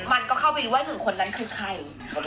มันก็เข้าไปรู้ว่าหนึ่งคนนั้นคือใคร